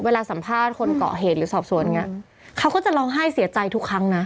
เวลาสัมภาษณ์คนเกาะเหตุหรือสอบสวนอย่างเงี้ยเขาก็จะร้องไห้เสียใจทุกครั้งนะ